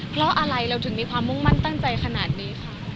เพราะอะไรเราถึงมีความมุ่งมั่นตั้งใจขนาดนี้ค่ะ